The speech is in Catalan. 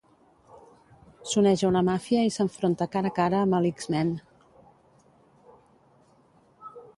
S'uneix a una màfia i s'enfronta cara a cara amb el X-Men.